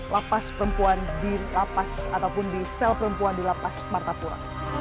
lapas perempuan dilapas ataupun di sel perempuan dilapas martapura